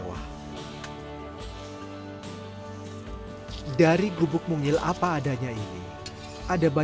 saat rezeki miskin anjing ya bu